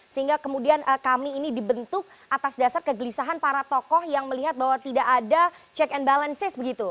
sehingga kemudian kami ini dibentuk atas dasar kegelisahan para tokoh yang melihat bahwa tidak ada check and balances begitu